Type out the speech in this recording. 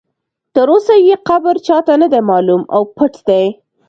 تر اوسه یې قبر چا ته نه دی معلوم او پټ دی.